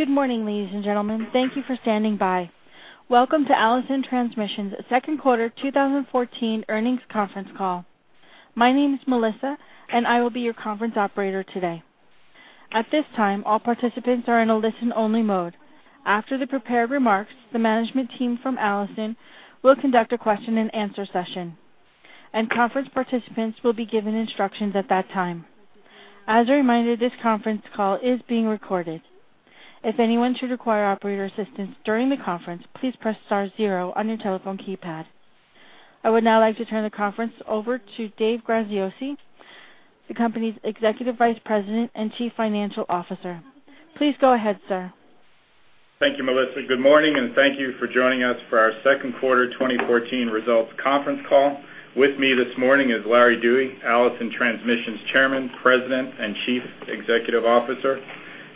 Good morning, ladies and gentlemen. Thank you for standing by. Welcome to Allison Transmission's second quarter 2014 earnings conference call. My name is Melissa, and I will be your conference operator today. At this time, all participants are in a listen-only mode. After the prepared remarks, the management team from Allison will conduct a question-and-answer session, and conference participants will be given instructions at that time. As a reminder, this conference call is being recorded. If anyone should require operator assistance during the conference, please press star zero on your telephone keypad. I would now like to turn the conference over to Dave Graziosi, the company's Executive Vice President and Chief Financial Officer. Please go ahead, sir. Thank you, Melissa. Good morning, and thank you for joining us for our second quarter 2014 results conference call. With me this morning is Larry Dewey, Allison Transmission's Chairman, President, and Chief Executive Officer.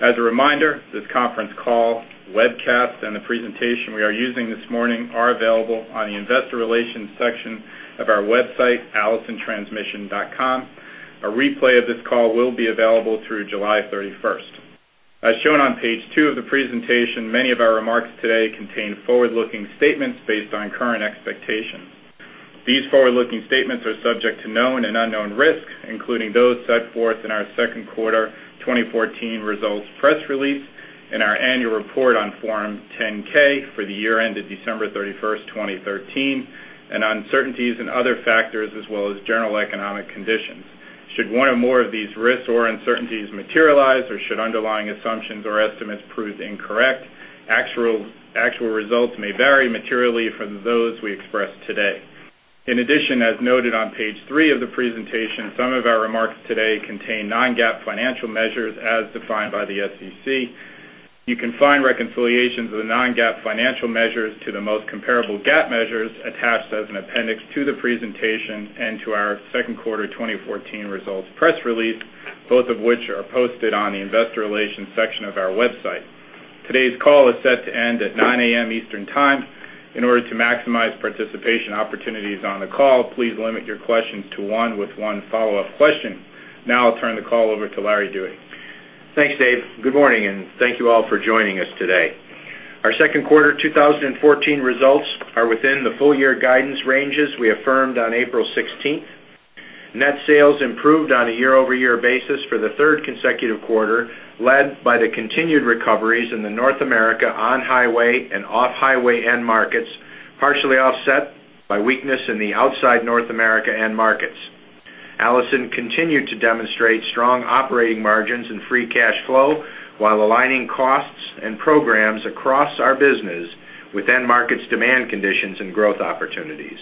As a reminder, this conference call, webcast, and the presentation we are using this morning are available on the Investor Relations section of our website, allisontransmission.com. A replay of this call will be available through July 31. As shown on page 2 of the presentation, many of our remarks today contain forward-looking statements based on current expectations. These forward-looking statements are subject to known and unknown risks, including those set forth in our second quarter 2014 results press release and our annual report on Form 10-K for the year ended December 31, 2013, and uncertainties and other factors, as well as general economic conditions. Should one or more of these risks or uncertainties materialize, or should underlying assumptions or estimates prove incorrect, actual results may vary materially from those we express today. In addition, as noted on page 3 of the presentation, some of our remarks today contain non-GAAP financial measures as defined by the SEC. You can find reconciliations of the non-GAAP financial measures to the most comparable GAAP measures attached as an appendix to the presentation and to our second quarter 2014 results press release, both of which are posted on the Investor Relations section of our website. Today's call is set to end at 9:00 A.M. Eastern Time. In order to maximize participation opportunities on the call, please limit your questions to one with one follow-up question. Now I'll turn the call over to Larry Dewey. Thanks, Dave. Good morning, and thank you all for joining us today. Our second quarter 2014 results are within the full year guidance ranges we affirmed on April 16. Net sales improved on a year-over-year basis for the third consecutive quarter, led by the continued recoveries in the North America on-highway and off-highway end markets, partially offset by weakness in the outside North America end markets. Allison continued to demonstrate strong operating margins and free cash flow while aligning costs and programs across our business with end markets' demand conditions and growth opportunities.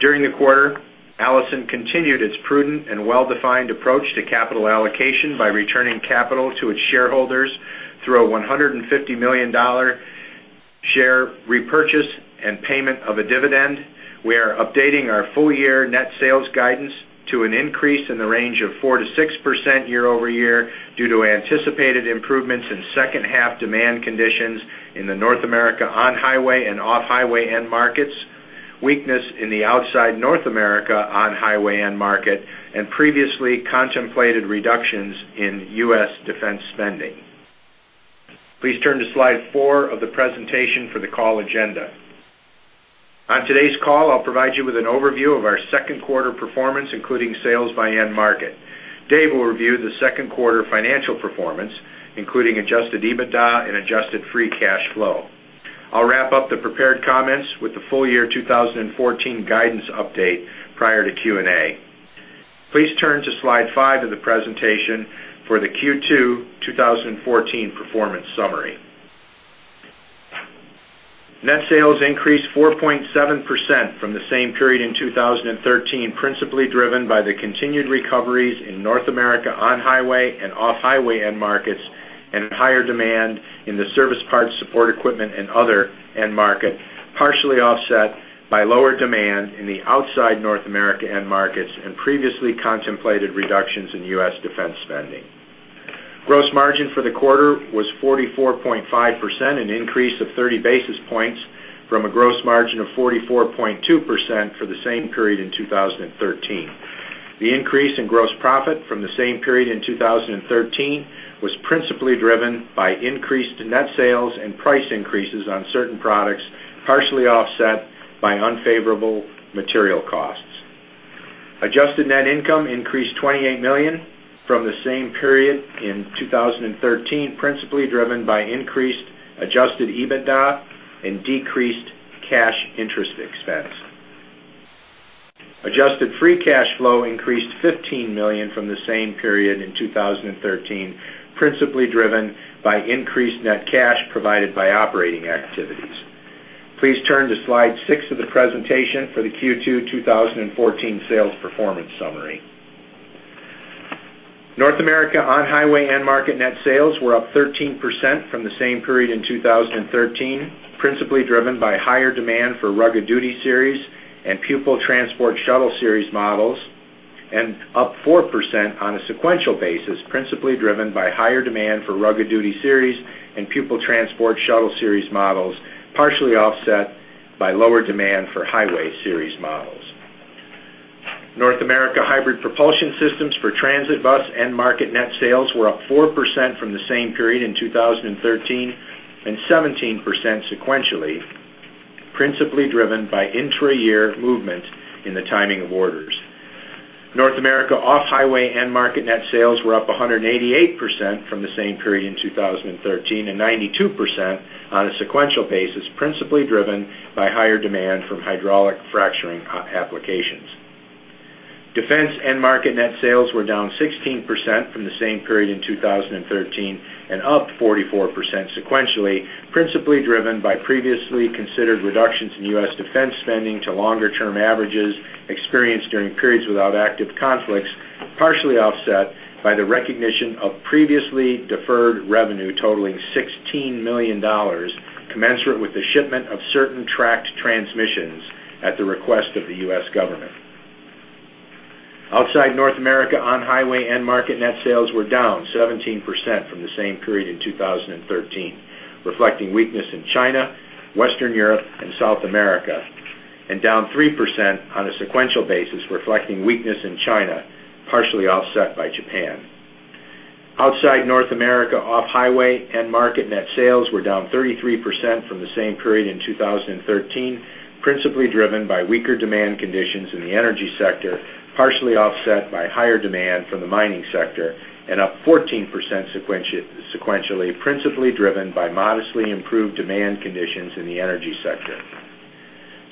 During the quarter, Allison continued its prudent and well-defined approach to capital allocation by returning capital to its shareholders through a $150 million share repurchase and payment of a dividend. We are updating our full-year net sales guidance to an increase in the range of 4%-6% year-over-year due to anticipated improvements in second half demand conditions in the North America on-highway and off-highway end markets, weakness in the outside North America on-highway end market, and previously contemplated reductions in U.S. defense spending. Please turn to slide 4 of the presentation for the call agenda. On today's call, I'll provide you with an overview of our second quarter performance, including sales by end market. Dave will review the second quarter financial performance, including adjusted EBITDA and adjusted free cash flow. I'll wrap up the prepared comments with the full-year 2014 guidance update prior to Q&A. Please turn to slide 5 of the presentation for the Q2 2014 performance summary. Net sales increased 4.7% from the same period in 2013, principally driven by the continued recoveries in North America on-highway and off-highway end markets, and higher demand in the service, parts, support equipment, and other end market, partially offset by lower demand in the outside North America end markets and previously contemplated reductions in U.S. defense spending. Gross margin for the quarter was 44.5%, an increase of 30 basis points from a gross margin of 44.2% for the same period in 2013. The increase in gross profit from the same period in 2013 was principally driven by increased net sales and price increases on certain products, partially offset by unfavorable material costs. Adjusted net income increased $28 million from the same period in 2013, principally driven by increased adjusted EBITDA and decreased cash interest expense. Adjusted free cash flow increased $15 million from the same period in 2013, principally driven by increased net cash provided by operating activities. Please turn to slide 6 of the presentation for the Q2 2014 sales performance summary. North America on-highway end market net sales were up 13% from the same period in 2013, principally driven by higher demand for Rugged Duty Series and Pupil Transport Shuttle Series models, and up 4% on a sequential basis, principally driven by higher demand for Rugged Duty Series and Pupil Transport Shuttle Series models, partially offset by lower demand for Highway Series models.... North America Hybrid Propulsion Systems for transit bus end market net sales were up 4% from the same period in 2013, and 17% sequentially, principally driven by intra-year movement in the timing of orders. North America off-highway end market net sales were up 188% from the same period in 2013, and 92% on a sequential basis, principally driven by higher demand from hydraulic fracturing applications. Defense end market net sales were down 16% from the same period in 2013, and up 44% sequentially, principally driven by previously considered reductions in U.S. defense spending to longer-term averages experienced during periods without active conflicts, partially offset by the recognition of previously deferred revenue totaling $16 million, commensurate with the shipment of certain tracked transmissions at the request of the U.S. government. Outside North America, on-highway end market net sales were down 17% from the same period in 2013, reflecting weakness in China, Western Europe, and South America, and down 3% on a sequential basis, reflecting weakness in China, partially offset by Japan. Outside North America, off-highway end market net sales were down 33% from the same period in 2013, principally driven by weaker demand conditions in the energy sector, partially offset by higher demand from the mining sector, and up 14% sequentially, principally driven by modestly improved demand conditions in the energy sector.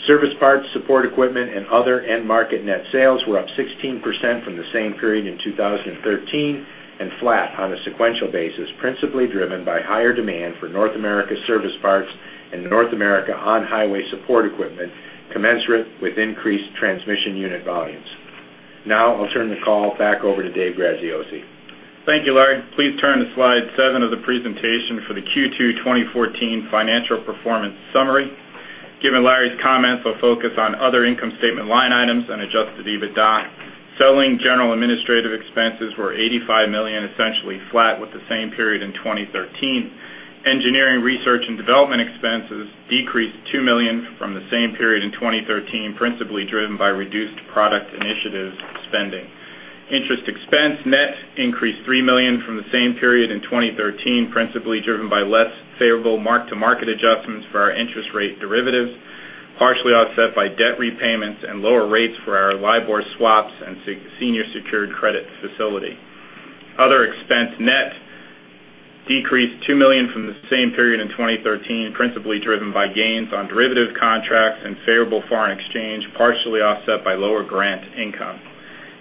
Service parts, support equipment, and other end market net sales were up 16% from the same period in 2013, and flat on a sequential basis, principally driven by higher demand for North America service parts and North America on-highway support equipment, commensurate with increased transmission unit volumes. Now I'll turn the call back over to Dave Graziosi. Thank you, Larry. Please turn to slide 7 of the presentation for the Q2 2014 financial performance summary. Given Larry's comments, I'll focus on other income statement line items and Adjusted EBITDA. Selling general administrative expenses were $85 million, essentially flat with the same period in 2013. Engineering, research, and development expenses decreased $2 million from the same period in 2013, principally driven by reduced product initiatives spending. Interest expense net increased $3 million from the same period in 2013, principally driven by less favorable mark-to-market adjustments for our interest rate derivatives, partially offset by debt repayments and lower rates for our LIBOR swaps and senior secured credit facility. Other expense net decreased $2 million from the same period in 2013, principally driven by gains on derivative contracts and favorable foreign exchange, partially offset by lower grant income.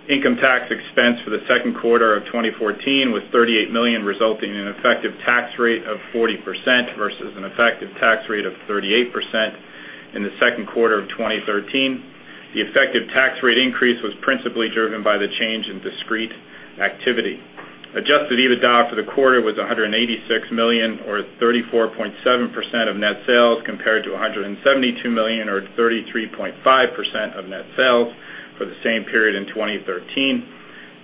Income tax expense for the second quarter of 2014 was $38 million, resulting in an effective tax rate of 40% versus an effective tax rate of 38% in the second quarter of 2013. The effective tax rate increase was principally driven by the change in discrete activity. Adjusted EBITDA for the quarter was $186 million, or 34.7% of net sales, compared to $172 million, or 33.5% of net sales for the same period in 2013.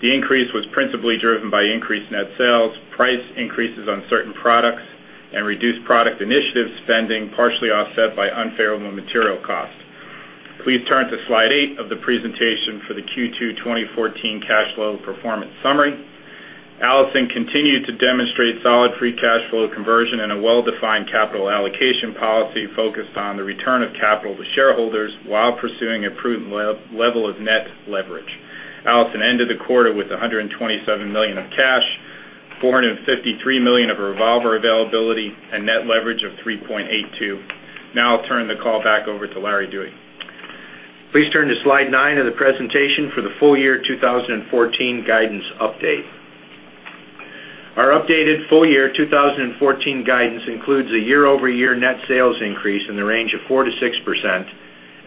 The increase was principally driven by increased net sales, price increases on certain products, and reduced product initiative spending, partially offset by unfavorable material costs. Please turn to slide 8 of the presentation for the Q2 2014 cash flow performance summary. Allison continued to demonstrate solid free cash flow conversion and a well-defined capital allocation policy focused on the return of capital to shareholders while pursuing a prudent level of net leverage. Allison ended the quarter with $127 million of cash, $453 million of revolver availability, and net leverage of 3.82. Now I'll turn the call back over to Larry Dewey. Please turn to slide 9 of the presentation for the full year 2014 guidance update. Our updated full year 2014 guidance includes a year-over-year net sales increase in the range of 4%-6%,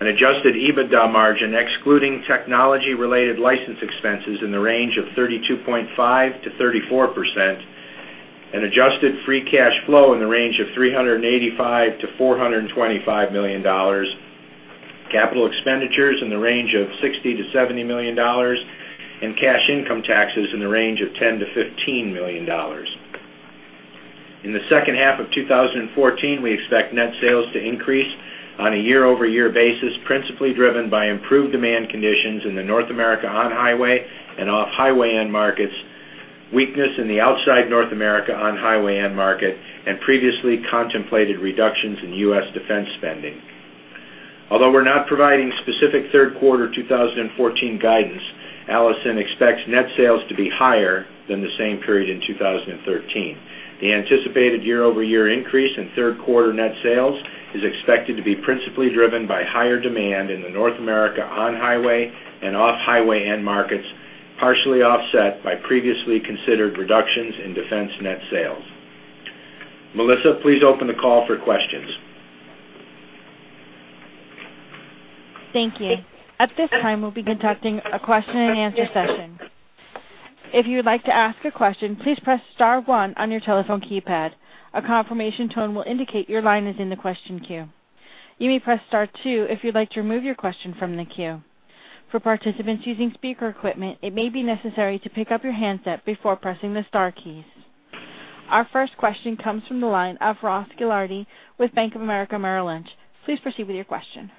an Adjusted EBITDA margin, excluding technology-related license expenses, in the range of 32.5%-34%, an Adjusted Free Cash Flow in the range of $385 million-$425 million, capital expenditures in the range of $60 million-$70 million, and cash income taxes in the range of $10 million-$15 million. In the second half of 2014, we expect net sales to increase on a year-over-year basis, principally driven by improved demand conditions in the North America on-highway and off-highway end markets, weakness in the outside North America on-highway end market, and previously contemplated reductions in U.S. defense spending. Although we're not providing specific third quarter 2014 guidance, Allison expects net sales to be higher than the same period in 2013. The anticipated year-over-year increase in third quarter net sales is expected to be principally driven by higher demand in the North America on-highway and off-highway end markets, partially offset by previously considered reductions in defense net sales. Melissa, please open the call for questions. Thank you. At this time, we'll be conducting a question and answer session. If you would like to ask a question, please press *1 on your telephone keypad. A confirmation tone will indicate your line is in the question queue. You may press *2 if you'd like to remove your question from the queue. For participants using speaker equipment, it may be necessary to pick up your handset before pressing the * keys. Our first question comes from the line of Ross Gilardi with Bank of America Merrill Lynch. Please proceed with your question.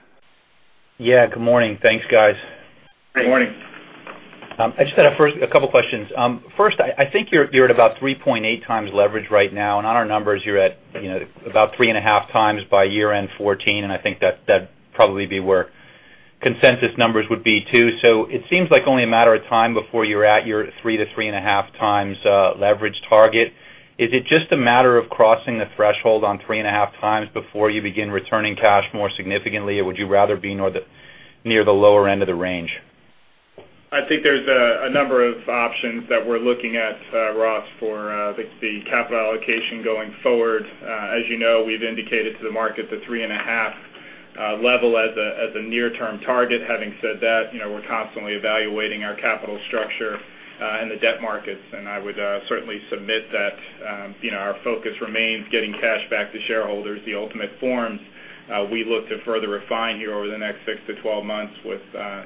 Yeah, good morning. Thanks, guys. Good morning. I just had a couple questions. First, I think you're at about 3.8x leverage right now, and on our numbers, you're at, you know, about 3.5x by year-end 2014, and I think that'd probably be where consensus numbers would be, too. So it seems like only a matter of time before you're at your 3-3.5x leverage target. Is it just a matter of crossing the threshold on 3.5x before you begin returning cash more significantly, or would you rather be near the lower end of the range? I think there's a number of options that we're looking at, Ross, for the capital allocation going forward. As you know, we've indicated to the market the 3.5 level as a near-term target. Having said that, you know, we're constantly evaluating our capital structure and the debt markets, and I would certainly submit that, you know, our focus remains getting cash back to shareholders. The ultimate forms we look to further refine here over the next 6-12 months with,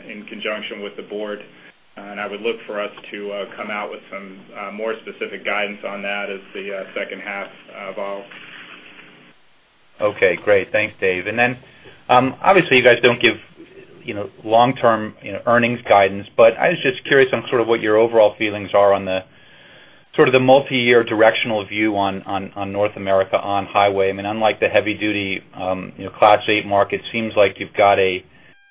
in conjunction with the board. I would look for us to come out with some more specific guidance on that as the second half evolves. Okay, great. Thanks, Dave. And then, obviously, you guys don't give, you know, long-term, you know, earnings guidance, but I was just curious on sort of what your overall feelings are on the sort of the multiyear directional view on North America on-highway. I mean, unlike the heavy duty, you know, Class 8 market, seems like you've got a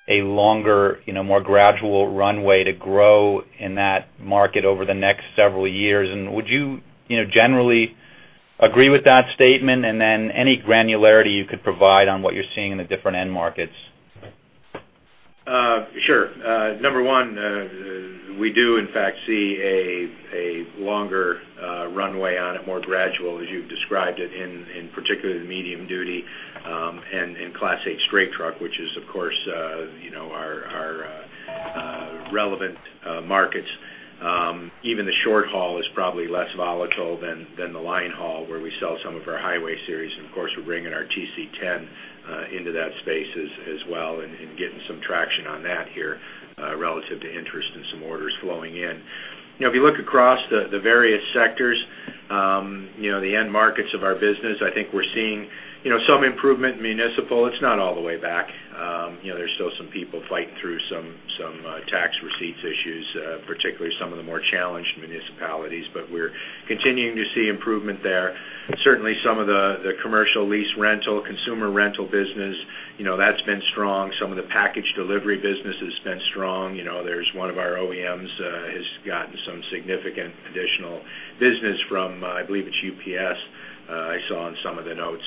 longer, you know, more gradual runway to grow in that market over the next several years. And would you, you know, generally agree with that statement? And then any granularity you could provide on what you're seeing in the different end markets? Sure. Number one, we do in fact see a longer runway on it, more gradual, as you've described it, in particular, the medium duty, and Class 8 straight truck, which is, of course, you know, our relevant markets. Even the short haul is probably less volatile than the line haul, where we sell some of our Highway Series, and of course, we're bringing our TC10 into that space as well, and getting some traction on that here, relative to interest and some orders flowing in. You know, if you look across the various sectors, you know, the end markets of our business, I think we're seeing, you know, some improvement in municipal. It's not all the way back. You know, there's still some people fighting through some tax receipts issues, particularly some of the more challenged municipalities, but we're continuing to see improvement there. Certainly, some of the commercial lease rental, consumer rental business, you know, that's been strong. Some of the package delivery business has been strong. You know, there's one of our OEMs has gotten some significant additional business from, I believe it's UPS, I saw on some of the notes.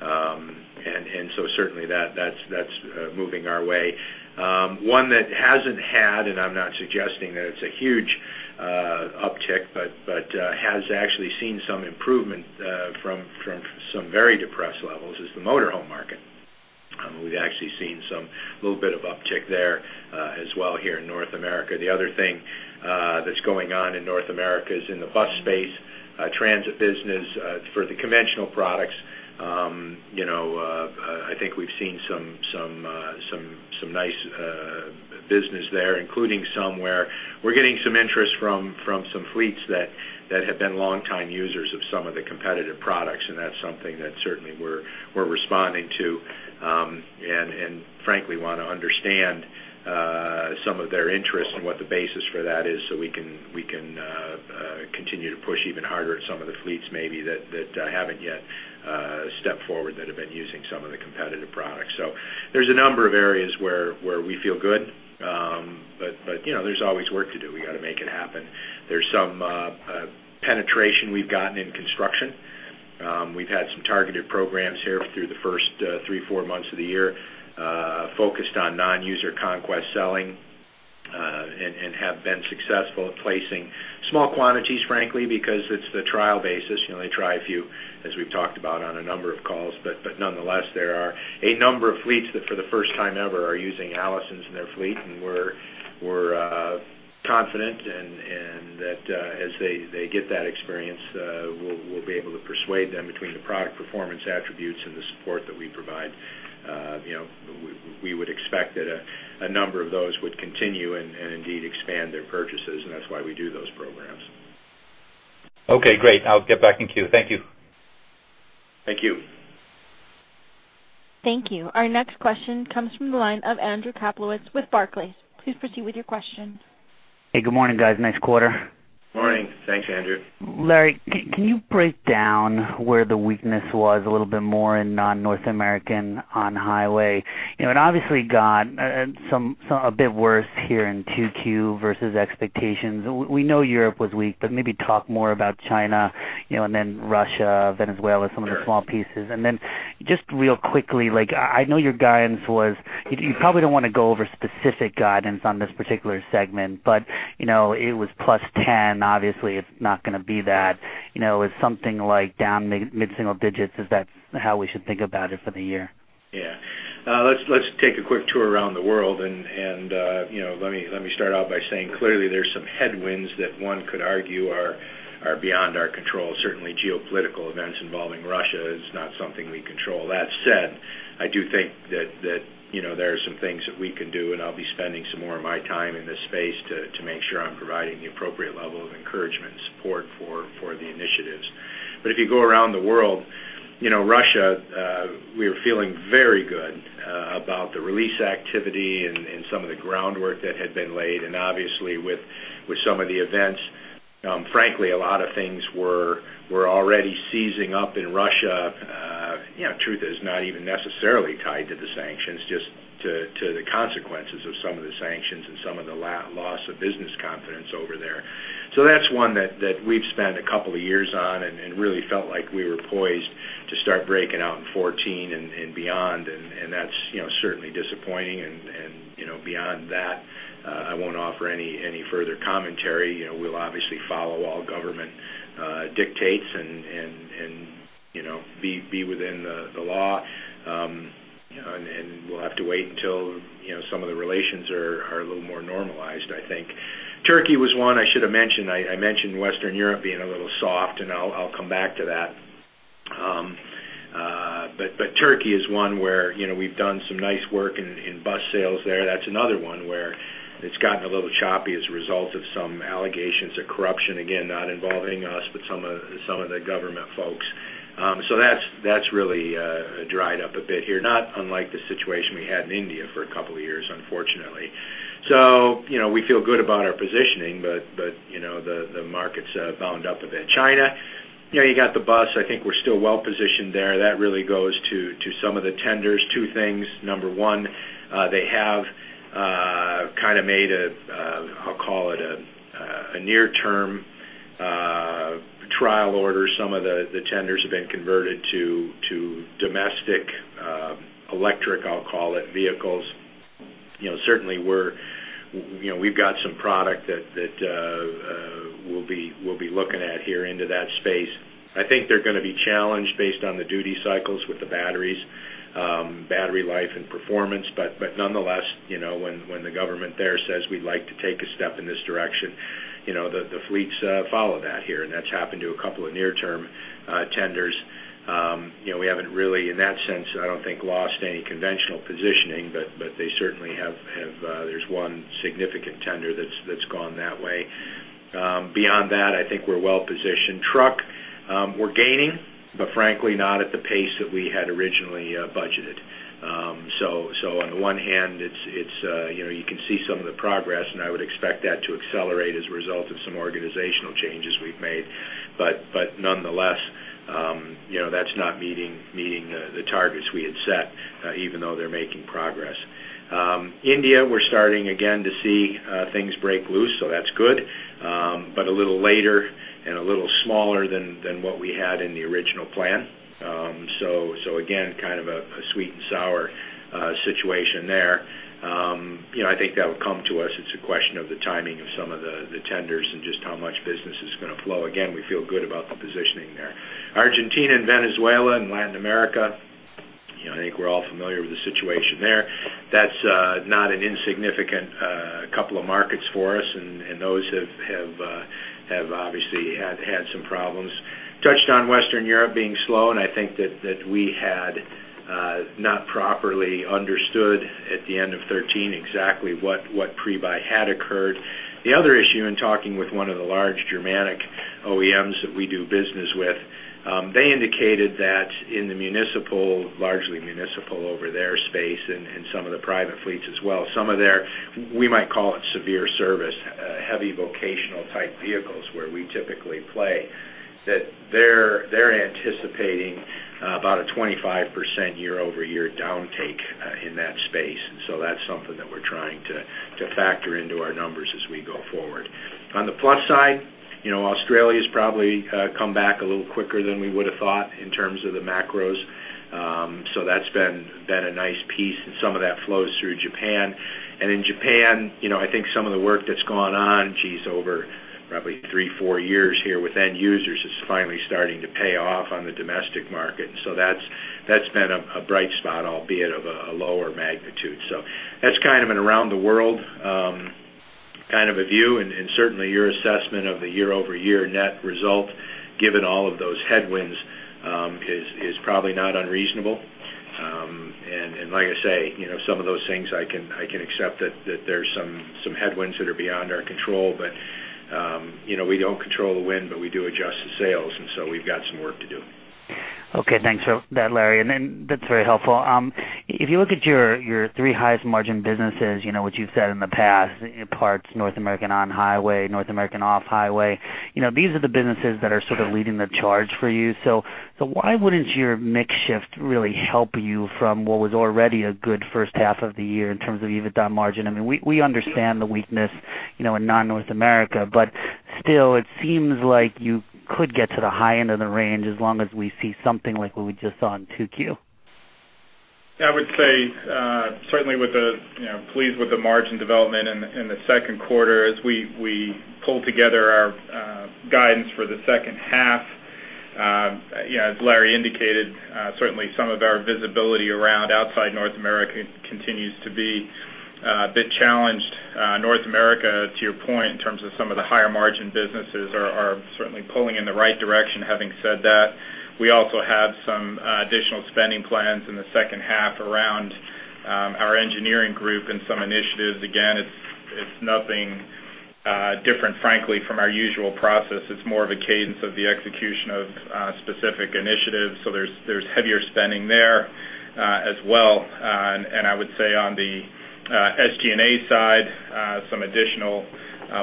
And so certainly that's moving our way. One that hasn't had, and I'm not suggesting that it's a huge uptick, but has actually seen some improvement from some very depressed levels, is the motor home market. We've actually seen some little bit of uptick there, as well, here in North America. The other thing, that's going on in North America is in the bus space, transit business, for the conventional products, you know, I think we've seen some nice business there, including some where we're getting some interest from some fleets that have been longtime users of some of the competitive products, and that's something that certainly we're responding to, and frankly, want to understand some of their interest and what the basis for that is so we can continue to push even harder at some of the fleets maybe that haven't yet stepped forward, that have been using some of the competitive products. So there's a number of areas where we feel good, but you know, there's always work to do. We got to make it happen. There's some penetration we've gotten in construction. We've had some targeted programs here through the first 3, 4 months of the year, focused on non-user conquest selling, and have been successful at placing small quantities, frankly, because it's the trial basis. You know, they try a few, as we've talked about on a number of calls, but nonetheless, there are a number of fleets that, for the first time ever, are using Allisons in their fleet, and we're confident and that, as they get that experience, we'll be able to persuade them between the product performance attributes and the support that we provide. you know, we would expect that a number of those would continue and indeed expand their purchases, and that's why we do those programs. Okay, great. I'll get back in queue. Thank you. Thank you. Thank you. Our next question comes from the line of Andrew Kaplowitz with Barclays. Please proceed with your question. Hey, good morning, guys. Nice quarter. Morning. Thanks, Andrew. Larry, can you break down where the weakness was a little bit more in non-North American on-highway? You know, it obviously got a bit worse here in 2Q versus expectations. We know Europe was weak, but maybe talk more about China, you know, and then Russia, Venezuela, some of the small pieces. And then just real quickly, like, I know your guidance was... You probably don't want to go over specific guidance on this particular segment, but, you know, it was +10. Obviously, it's not going to be that. You know, is something like down mid-single digits how we should think about it for the year? Yeah. Let's take a quick tour around the world, and you know, let me start out by saying, clearly, there's some headwinds that one could argue are beyond our control. Certainly, geopolitical events involving Russia is not something we control. That said, I do think that you know, there are some things that we can do, and I'll be spending some more of my time in this space to make sure I'm providing the appropriate level of encouragement and support for the initiatives. But if you go around the world... You know, Russia, we were feeling very good about the release activity and some of the groundwork that had been laid. And obviously, with some of the events, frankly, a lot of things were already seizing up in Russia. You know, truth is not even necessarily tied to the sanctions, just to the consequences of some of the sanctions and some of the loss of business confidence over there. So that's one that we've spent a couple of years on and really felt like we were poised to start breaking out in 2014 and beyond. And that's, you know, certainly disappointing. And, you know, beyond that, I won't offer any further commentary. You know, we'll obviously follow all government dictates and, you know, be within the law. And we'll have to wait until, you know, some of the relations are a little more normalized, I think. Turkey was one I should have mentioned. I mentioned Western Europe being a little soft, and I'll come back to that. But Turkey is one where, you know, we've done some nice work in bus sales there. That's another one where it's gotten a little choppy as a result of some allegations of corruption, again, not involving us, but some of the government folks. So that's really dried up a bit here, not unlike the situation we had in India for a couple of years, unfortunately. So, you know, we feel good about our positioning, but, you know, the market's bound up a bit. China, you know, you got the bus. I think we're still well positioned there. That really goes to some of the tenders. Two things: number one, they have kind of made a, I'll call it a near-term trial order. Some of the tenders have been converted to domestic electric, I'll call it, vehicles. You know, certainly we're you know, we've got some product that we'll be looking at here into that space. I think they're gonna be challenged based on the duty cycles with the batteries, battery life and performance. But nonetheless, you know, when the government there says, "We'd like to take a step in this direction," you know, the fleets follow that here, and that's happened to a couple of near-term tenders. You know, we haven't really, in that sense, I don't think, lost any conventional positioning, but they certainly have... There's one significant tender that's gone that way. Beyond that, I think we're well positioned. Truck, we're gaining, but frankly, not at the pace that we had originally budgeted. So on the one hand, it's, you know, you can see some of the progress, and I would expect that to accelerate as a result of some organizational changes we've made. But nonetheless, you know, that's not meeting the targets we had set, even though they're making progress. India, we're starting again to see things break loose, so that's good, but a little later and a little smaller than what we had in the original plan. So again, kind of a sweet and sour situation there. You know, I think that will come to us. It's a question of the timing of some of the tenders and just how much business is gonna flow. Again, we feel good about the positioning there. Argentina and Venezuela and Latin America, you know, I think we're all familiar with the situation there. That's not an insignificant couple of markets for us, and those have obviously had some problems. Touched on Western Europe being slow, and I think that we had not properly understood at the end of 2013 exactly what pre-buy had occurred. The other issue, in talking with one of the large Germanic OEMs that we do business with, they indicated that in the municipal, largely municipal over their space and some of the private fleets as well, some of their, we might call it severe service, heavy vocational-type vehicles, where we typically play, that they're anticipating about a 25% year-over-year downtake in that space. So that's something that we're trying to factor into our numbers as we go forward. On the plus side, you know, Australia's probably come back a little quicker than we would've thought in terms of the macros. So that's been a nice piece, and some of that flows through Japan. And in Japan, you know, I think some of the work that's gone on, geez, over probably 3 or 4 years here with end users is finally starting to pay off on the domestic market. So that's been a bright spot, albeit of a lower magnitude. So that's kind of an around the world kind of a view. And certainly, your assessment of the year-over-year net result, given all of those headwinds, is probably not unreasonable. Like I say, you know, some of those things I can accept that there's some headwinds that are beyond our control, but you know, we don't control the wind, but we do adjust the sails, and so we've got some work to do. Okay, thanks for that, Larry, and then that's very helpful. If you look at your three highest margin businesses, you know, which you've said in the past, Parts, North American On-Highway, North American Off-Highway, you know, these are the businesses that are sort of leading the charge for you. So why wouldn't your mix shift really help you from what was already a good first half of the year in terms of EBITDA margin? I mean, we understand the weakness, you know, in non-North America, but still, it seems like you could get to the high end of the range as long as we see something like what we just saw in 2Q. I would say, certainly with the, you know, pleased with the margin development in the second quarter. As we pull together our guidance for the second half, you know, as Larry indicated, certainly some of our visibility around outside North America continues to be a bit challenged. North America, to your point, in terms of some of the higher margin businesses are certainly pulling in the right direction. Having said that, we also have some additional spending plans in the second half around our engineering group and some initiatives. Again, it's nothing.... different, frankly, from our usual process. It's more of a cadence of the execution of, specific initiatives, so there's, there's heavier spending there, as well. And, and I would say on the, SG&A side, some additional,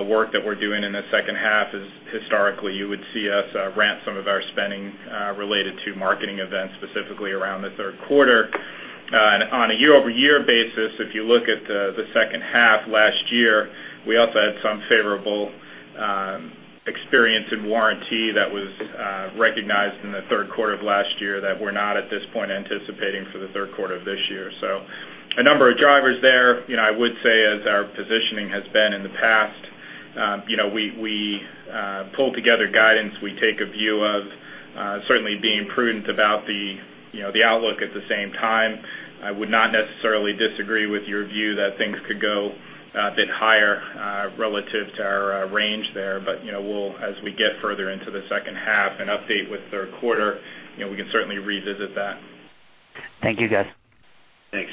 work that we're doing in the second half is historically, you would see us, ramp some of our spending, related to marketing events, specifically around the third quarter. And on a year-over-year basis, if you look at the, the second half last year, we also had some favorable, experience in warranty that was, recognized in the third quarter of last year that we're not at this point anticipating for the third quarter of this year. So a number of drivers there. You know, I would say as our positioning has been in the past, you know, we pull together guidance. We take a view of certainly being prudent about the, you know, the outlook at the same time. I would not necessarily disagree with your view that things could go a bit higher relative to our range there. But, you know, we'll, as we get further into the second half and update with third quarter, you know, we can certainly revisit that. Thank you, guys. Thanks.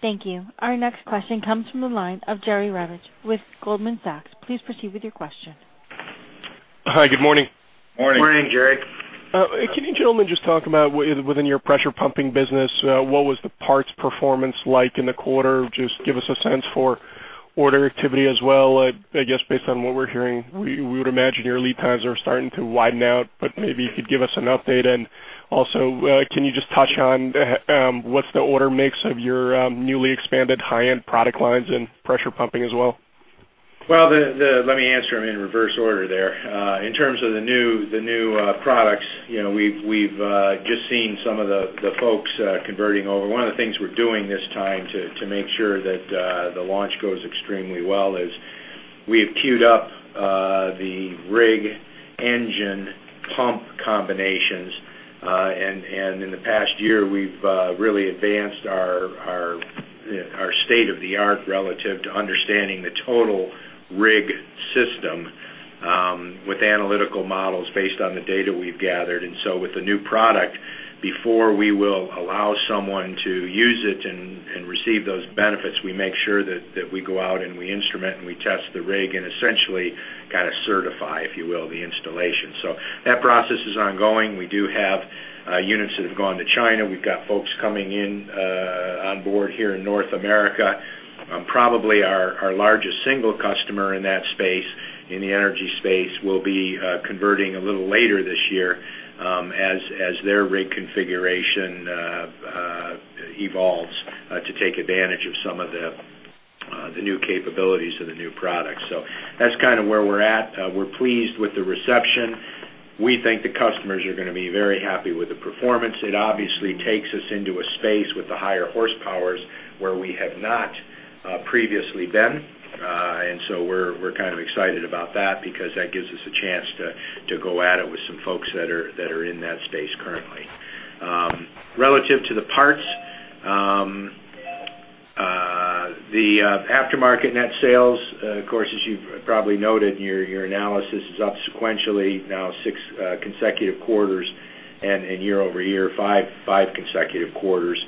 Thank you. Our next question comes from the line of Jerry Revich with Goldman Sachs. Please proceed with your question. Hi, good morning. Morning. Morning, Jerry. Can you gentlemen just talk about within your pressure pumping business, what was the parts performance like in the quarter? Just give us a sense for order activity as well. I guess based on what we're hearing, we would imagine your lead times are starting to widen out, but maybe you could give us an update. And also, can you just touch on what's the order mix of your newly expanded high-end product lines and pressure pumping as well? Well, let me answer them in reverse order there. In terms of the new products, you know, we've just seen some of the folks converting over. One of the things we're doing this time to make sure that the launch goes extremely well is we have queued up the rig engine pump combinations. And in the past year, we've really advanced our state-of-the-art relative to understanding the total rig system with analytical models based on the data we've gathered. And so with the new product, before we will allow someone to use it and receive those benefits, we make sure that we go out and we instrument and we test the rig, and essentially kind of certify, if you will, the installation. So that process is ongoing. We do have units that have gone to China. We've got folks coming in on board here in North America. Probably our largest single customer in that space, in the energy space, will be converting a little later this year, as their rig configuration evolves to take advantage of some of the new capabilities of the new product. So that's kind of where we're at. We're pleased with the reception. We think the customers are gonna be very happy with the performance. It obviously takes us into a space with the higher horsepowers, where we have not previously been. And so we're kind of excited about that because that gives us a chance to go at it with some folks that are in that space currently. Relative to the parts, the aftermarket net sales, of course, as you've probably noted in your analysis, is up sequentially now 6 consecutive quarters, and in year-over-year, 5 consecutive quarters.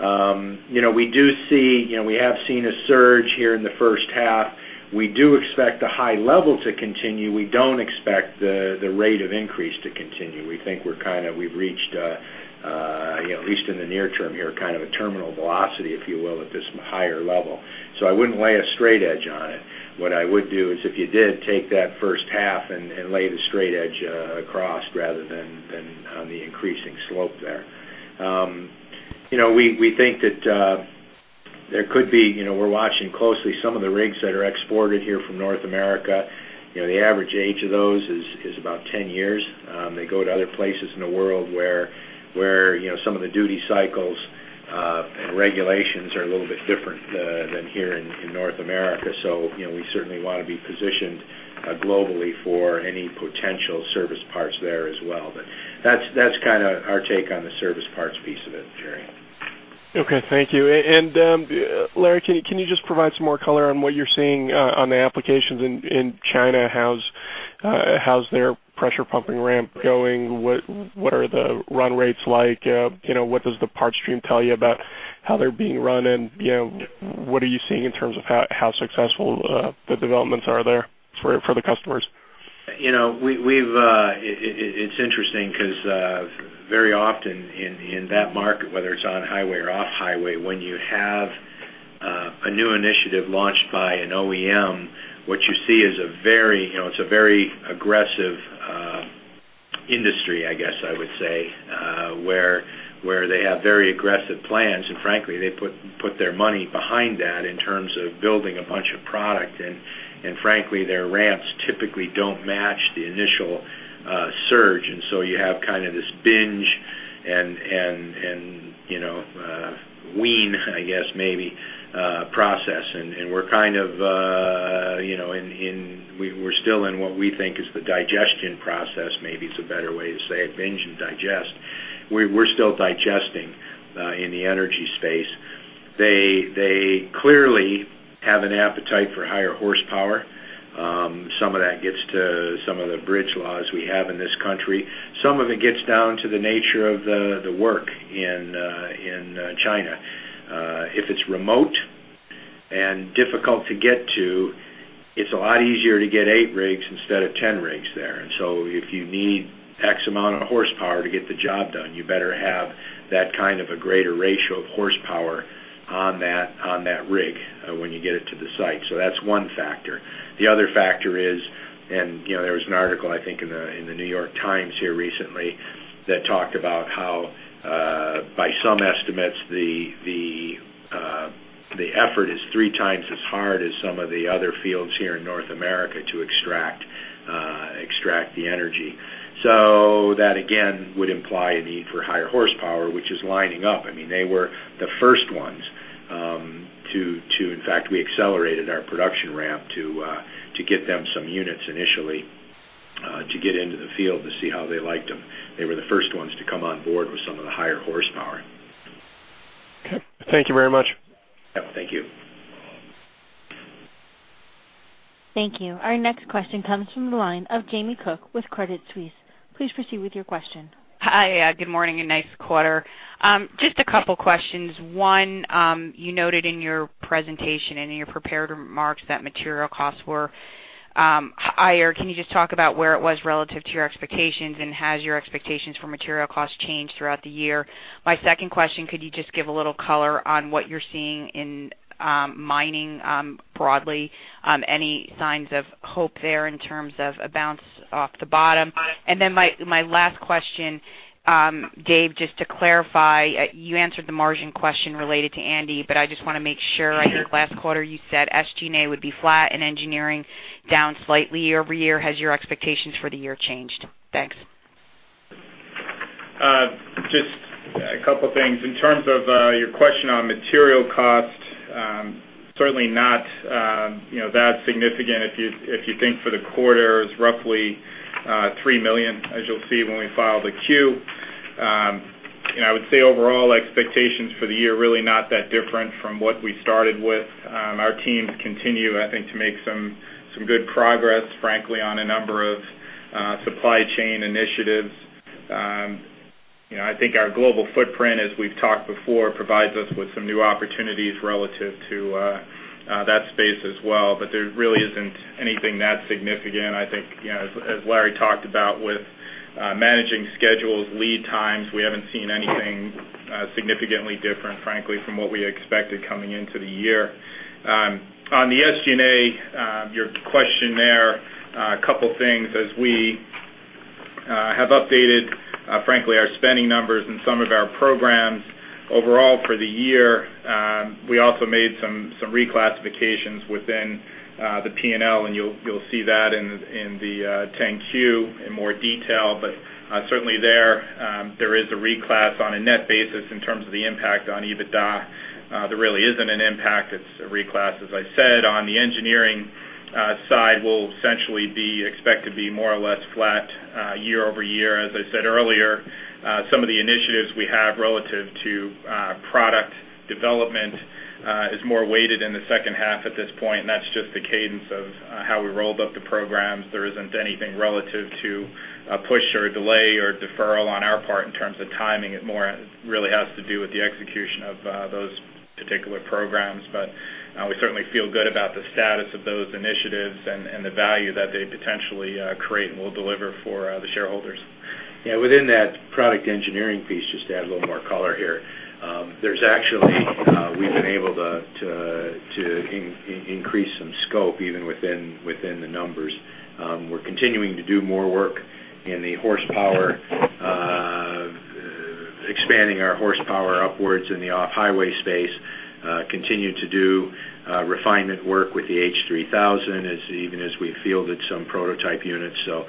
You know, we do see, you know, we have seen a surge here in the first half. We do expect the high level to continue. We don't expect the rate of increase to continue. We think we're kind of—we've reached a, you know, at least in the near term here, kind of a terminal velocity, if you will, at this higher level. So I wouldn't lay a straight edge on it. What I would do is if you did, take that first half and lay the straight edge across rather than on the increasing slope there. You know, we think that there could be, you know, we're watching closely some of the rigs that are exported here from North America. You know, the average age of those is about 10 years. They go to other places in the world where you know, some of the duty cycles and regulations are a little bit different than here in North America. So, you know, we certainly want to be positioned globally for any potential service parts there as well. But that's kind of our take on the service parts piece of it, Jerry. Okay, thank you. And, Larry, can you just provide some more color on what you're seeing on the applications in China? How's their pressure pumping ramp going? What are the run rates like? You know, what does the parts stream tell you about how they're being run? And, you know, what are you seeing in terms of how successful the developments are there for the customers? You know, we've... It's interesting because, very often in that market, whether it's on-highway or off-highway, when you have a new initiative launched by an OEM, what you see is a very, you know, it's a very aggressive industry, I guess I would say, where they have very aggressive plans. And frankly, they put their money behind that in terms of building a bunch of product. And frankly, their ramps typically don't match the initial surge. And so you have kind of this binge and, and, you know, wean, I guess, maybe, process. And we're kind of, you know, in-- we're still in what we think is the digestion process, maybe it's a better way to say it, binge and digest. We're still digesting in the energy space. They, they clearly have an appetite for higher horsepower. So me of that gets to some of the bridge laws we have in this country. Some of it gets down to the nature of the work in China. If it's remote and difficult to get to, it's a lot easier to get 8 rigs instead of 10 rigs there. And so if you need X amount of horsepower to get the job done, you better have that kind of a greater ratio of horsepower on that rig when you get it to the site. So that's one factor. The other factor is, you know, there was an article, I think, in the New York Times here recently that talked about how, by some estimates, the effort is three times as hard as some of the other fields here in North America to extract the energy. So that, again, would imply a need for higher horsepower, which is lining up. I mean, they were the first ones to. In fact, we accelerated our production ramp to get them some units initially to get into the field to see how they liked them. They were the first ones to come on board with some of the higher horsepower. Okay. Thank you very much. Yeah, thank you. Thank you. Our next question comes from the line of Jamie Cook with Credit Suisse. Please proceed with your question. Hi, good morning, and nice quarter. Just a couple questions. One, you noted in your presentation and in your prepared remarks that material costs were higher. Can you just talk about where it was relative to your expectations, and has your expectations for material costs changed throughout the year? My second question, could you just give a little color on what you're seeing in mining broadly? Any signs of hope there in terms of a bounce off the bottom? And then my last question, Dave, just to clarify, you answered the margin question related to Andy, but I just wanna make sure. I think last quarter, you said SG&A would be flat and engineering down slightly year-over-year. Has your expectations for the year changed? Thanks. Just a couple things. In terms of your question on material costs, certainly not, you know, that significant. If you think for the quarter, it's roughly $3 million, as you'll see when we file the Q. And I would say overall, expectations for the year are really not that different from what we started with. Our teams continue, I think, to make some good progress, frankly, on a number of supply chain initiatives. You know, I think our global footprint, as we've talked before, provides us with some new opportunities relative to that space as well. But there really isn't anything that significant. I think, you know, as Larry talked about with managing schedules, lead times, we haven't seen anything significantly different, frankly, from what we expected coming into the year. On the SG&A, your question there, a couple things. As we have updated, frankly, our spending numbers and some of our programs overall for the year, we also made some, some reclassifications within, the P&L, and you'll, you'll see that in, in the, 10-Q in more detail. But, certainly there, there is a reclass on a net basis in terms of the impact on EBITDA. There really isn't an impact. It's a reclass, as I said. On the engineering, side, we'll essentially be expect to be more or less flat, year-over-year. As I said earlier, some of the initiatives we have relative to, product development, is more weighted in the second half at this point, and that's just the cadence of, how we rolled up the programs. There isn't anything relative to a push or a delay or deferral on our part in terms of timing. It more really has to do with the execution of those particular programs. But we certainly feel good about the status of those initiatives and the value that they potentially create and will deliver for the shareholders. Yeah, within that product engineering piece, just to add a little more color here. There's actually we've been able to increase some scope, even within the numbers. We're continuing to do more work in the horsepower, expanding our horsepower upwards in the off-highway space, continue to do refinement work with the H3000 as even as we fielded some prototype units. So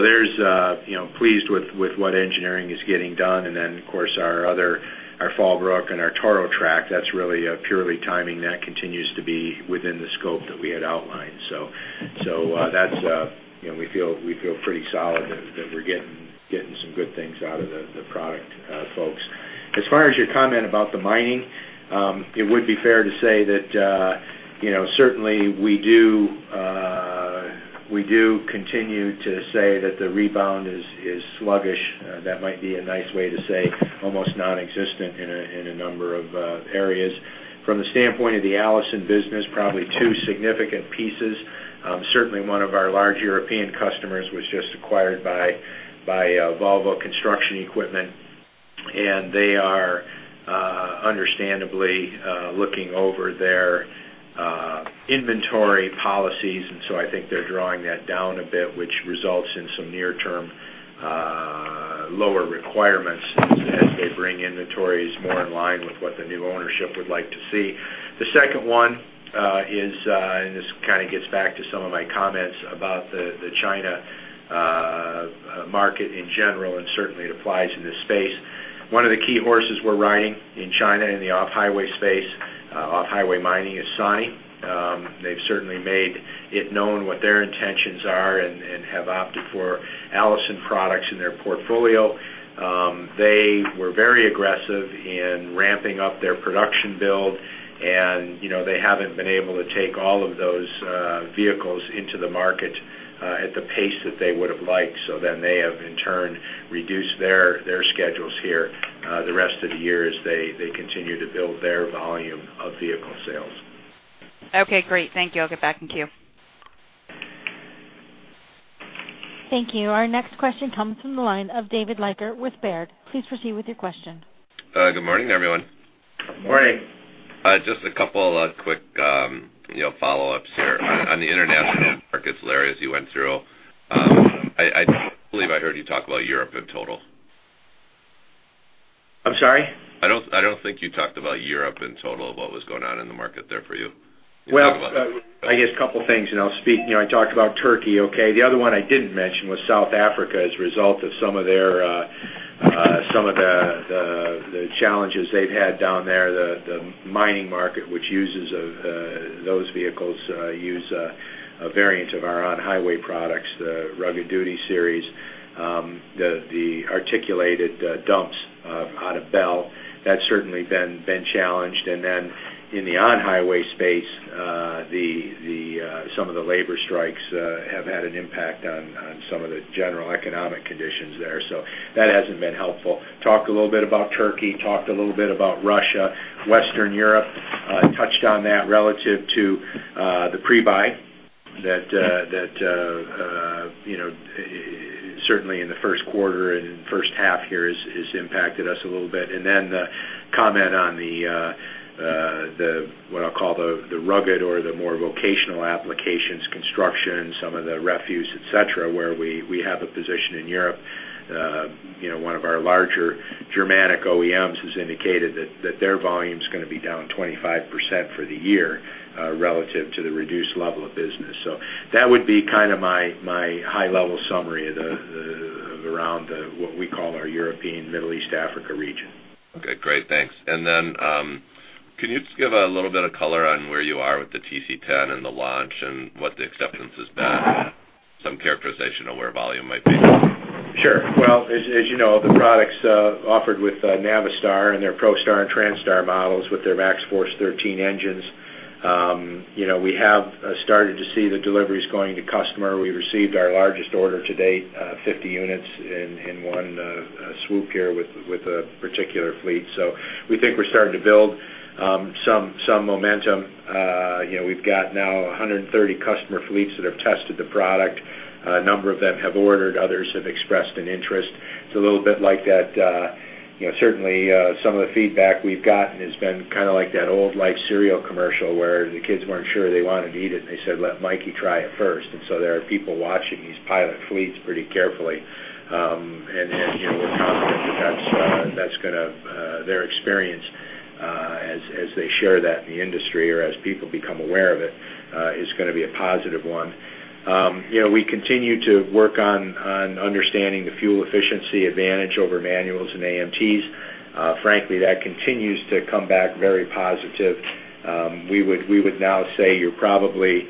there's you know, pleased with what engineering is getting done. And then, of course, our other, our Fallbrook and our Torotrak, that's really purely timing. That continues to be within the scope that we had outlined. So that's you know, we feel pretty solid that we're getting some good things out of the product folks. As far as your comment about the mining, it would be fair to say that, you know, certainly we do continue to say that the rebound is sluggish. That might be a nice way to say almost non-existent in a number of areas. From the standpoint of the Allison business, probably two significant pieces. Certainly one of our large European customers was just acquired by Volvo Construction Equipment, and they are understandably looking over their inventory policies, and so I think they're drawing that down a bit, which results in some near-term lower requirements as they bring inventories more in line with what the new ownership would like to see. The second one is, and this kind of gets back to some of my comments about the China market in general, and certainly it applies in this space. One of the key horses we're riding in China, in the off-highway space, off-highway mining, is Sany. They've certainly made it known what their intentions are and have opted for Allison products in their portfolio. They were very aggressive in ramping up their production build... and, you know, they haven't been able to take all of those vehicles into the market at the pace that they would have liked. So then they have, in turn, reduced their schedules here, the rest of the year as they continue to build their volume of vehicle sales. Okay, great. Thank you. I'll get back in queue. Thank you. Our next question comes from the line of David Leiker with Baird. Please proceed with your question. Good morning, everyone. Good morning. Just a couple of quick, you know, follow-ups here. On the international markets, Larry, as you went through, I don't believe I heard you talk about Europe in total. I'm sorry? I don't think you talked about Europe in total, of what was going on in the market there for you. Well, I guess a couple things, and I'll speak. You know, I talked about Turkey, okay? The other one I didn't mention was South Africa as a result of some of the challenges they've had down there. The mining market, which uses those vehicles use a variant of our on-highway products, the Rugged Duty Series, the articulated dumps out of Bell. That's certainly been challenged. And then in the on-highway space, some of the labor strikes have had an impact on some of the general economic conditions there, so that hasn't been helpful. Talked a little bit about Turkey, talked a little bit about Russia. Western Europe, touched on that relative to, the pre-buy that, that, you know, certainly in the first quarter and first half here has, has impacted us a little bit. And then the comment on the, the, what I'll call the, the rugged or the more vocational applications, construction, some of the refuse, et cetera, where we, we have a position in Europe. You know, one of our larger Germanic OEMs has indicated that, that their volume is going to be down 25% for the year, relative to the reduced level of business. So that would be kind of my, my high-level summary of the, the, around, what we call our European, Middle East, Africa region. Okay, great. Thanks. And then, can you just give a little bit of color on where you are with the TC10 and the launch and what the acceptance has been? Some characterization of where volume might be. Sure. Well, as you know, the products offered with Navistar and their ProStar and TranStar models with their MaxxForce 13 engines, you know, we have started to see the deliveries going to customer. We received our largest order to date, 50 units in one swoop here with a particular fleet. So we think we're starting to build some momentum. You know, we've got now 130 customer fleets that have tested the product. A number of them have ordered, others have expressed an interest. It's a little bit like that, you know, certainly, some of the feedback we've gotten has been kind of like that old Life cereal commercial, where the kids weren't sure they wanted to eat it, and they said, "Let Mikey try it first." And so there are people watching these pilot fleets pretty carefully. And you know, we're confident that that's, that's going to, their experience, as they share that in the industry or as people become aware of it, is going to be a positive one. You know, we continue to work on understanding the fuel efficiency advantage over manuals and AMTs. Frankly, that continues to come back very positive. We would now say you're probably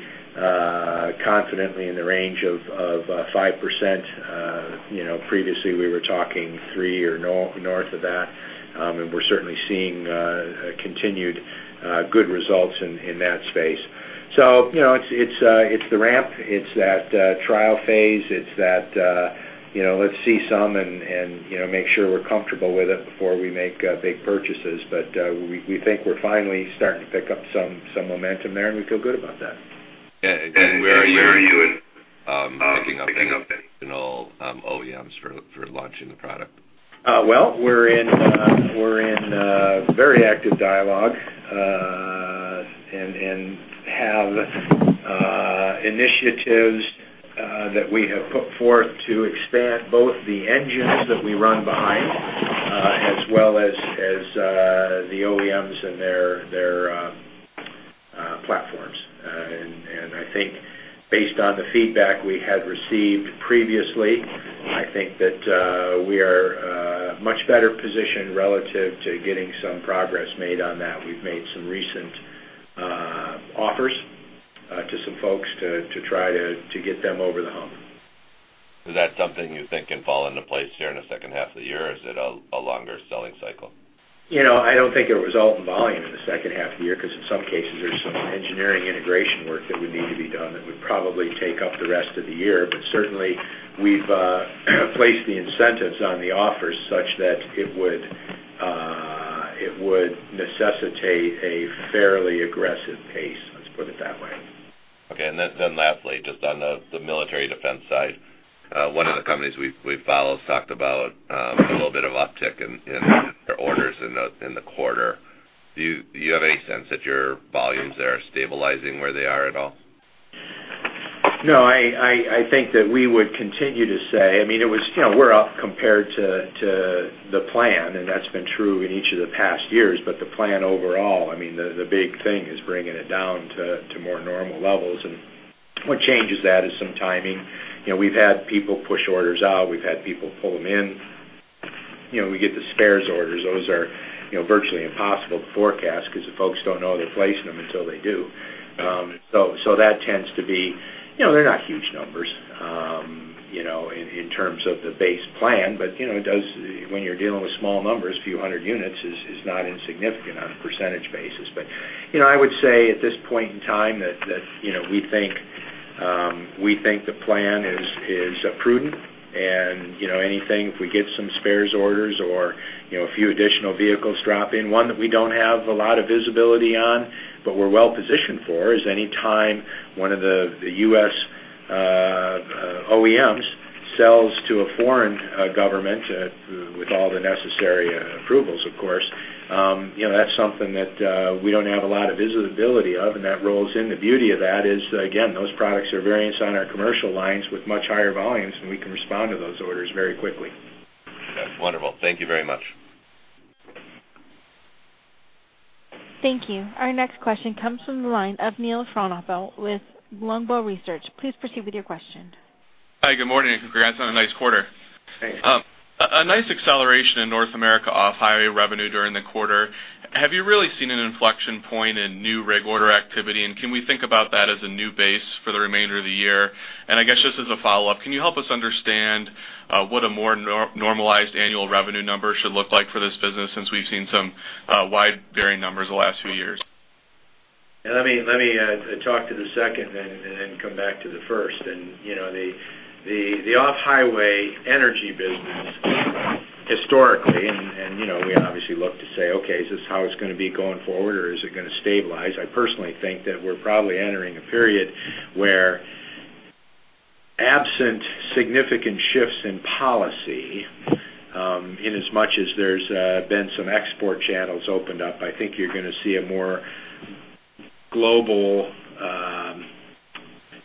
confidently in the range of 5%. You know, previously, we were talking three or north of that, and we're certainly seeing continued good results in that space. So, you know, it's the ramp, it's that trial phase, it's that, you know, let's see some and make sure we're comfortable with it before we make big purchases. But we think we're finally starting to pick up some momentum there, and we feel good about that. Where are you in picking up any additional OEMs for launching the product? Well, we're in very active dialogue, and have initiatives that we have put forth to expand both the engines that we run behind, as well as the OEMs and their platforms. And I think based on the feedback we had received previously, I think that we are much better positioned relative to getting some progress made on that. We've made some recent offers to some folks to try to get them over the hump. Is that something you think can fall into place here in the second half of the year, or is it a longer selling cycle? You know, I don't think it will result in volume in the second half of the year, because in some cases, there's some engineering integration work that would need to be done that would probably take up the rest of the year. But certainly, we've placed the incentives on the offers such that it would necessitate a fairly aggressive pace, let's put it that way. Okay. And then lastly, just on the military defense side, one of the companies we follow talked about a little bit of uptick in their orders in the quarter. Do you have any sense that your volumes there are stabilizing where they are at all? No, I think that we would continue to say... I mean, it was, you know, we're up compared to the plan, and that's been true in each of the past years. But the plan overall, I mean, the big thing is bringing it down to more normal levels, and what changes that is some timing. You know, we've had people push orders out. We've had people pull them in. You know, we get the spares orders. Those are, you know, virtually impossible to forecast because the folks don't know they're placing them until they do.... So that tends to be, you know, they're not huge numbers, you know, in terms of the base plan, but, you know, it does—when you're dealing with small numbers, a few hundred units is not insignificant on a percentage basis. But, you know, I would say at this point in time, that you know, we think the plan is prudent. And, you know, anything, if we get some spares orders or, you know, a few additional vehicles drop in, one that we don't have a lot of visibility on, but we're well positioned for, is any time one of the U.S. OEM sells to a foreign government with all the necessary approvals, of course, you know, that's something that we don't have a lot of visibility of, and that rolls in. The beauty of that is, again, those products are variants on our commercial lines with much higher volumes, and we can respond to those orders very quickly. That's wonderful. Thank you very much. Thank you. Our next question comes from the line of Neil Frohnapple with Longbow Research. Please proceed with your question. Hi, good morning, and congrats on a nice quarter. Thanks. A nice acceleration in North America off-highway revenue during the quarter. Have you really seen an inflection point in new rig order activity? And can we think about that as a new base for the remainder of the year? And I guess just as a follow-up, can you help us understand what a more normalized annual revenue number should look like for this business, since we've seen some widely varying numbers the last few years? Let me talk to the second and then come back to the first. And you know, the off-highway energy business, historically, and you know, we obviously look to say, "Okay, is this how it's going to be going forward, or is it going to stabilize?" I personally think that we're probably entering a period where absent significant shifts in policy, in as much as there's been some export channels opened up, I think you're going to see a more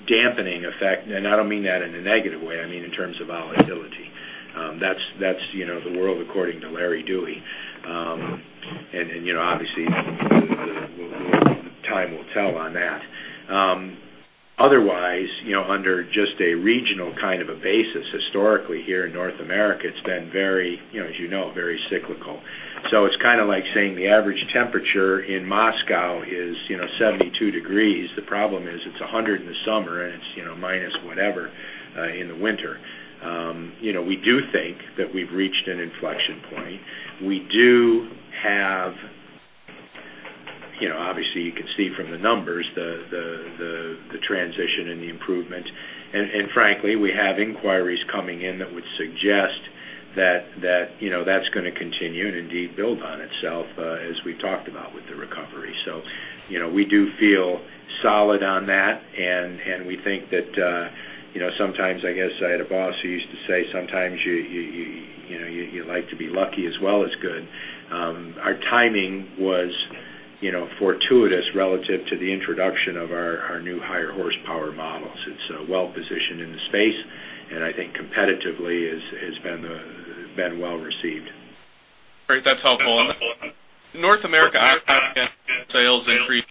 global dampening effect. And I don't mean that in a negative way, I mean, in terms of volatility. That's you know, the world according to Larry Dewey. And you know, obviously, time will tell on that. Otherwise, you know, under just a regional kind of a basis, historically, here in North America, it's been very, you know, as you know, very cyclical. So it's kind of like saying the average temperature in Moscow is, you know, 72 degrees. The problem is it's 100 in the summer, and it's, you know, minus whatever in the winter. You know, we do think that we've reached an inflection point. We do have, you know, obviously, you can see from the numbers, the transition and the improvement. And frankly, we have inquiries coming in that would suggest that, that, you know, that's going to continue and indeed build on itself, as we talked about with the recovery. So, you know, we do feel solid on that, and we think that, you know, sometimes, I guess I had a boss who used to say: Sometimes you know, you like to be lucky as well as good. Our timing was, you know, fortuitous relative to the introduction of our new higher horsepower models. It's well positioned in the space, and I think competitively has been well received. Great. That's helpful. North America sales increased